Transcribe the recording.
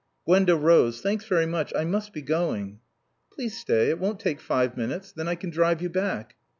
Gwenda rose. "Thanks very much, I must be going." "Please stay. It won't take five minutes. Then I can drive you back."